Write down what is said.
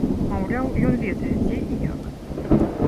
Маўляў, ён ведае, дзе і як.